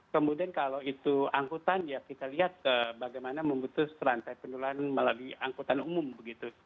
kemudian kalau itu angkutan ya kita lihat bagaimana memutus rantai penularan melalui angkutan umum begitu